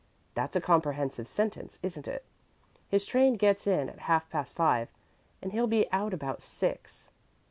That's a comprehensive sentence, isn't it? His train gets in at half past five and he'll be out about six."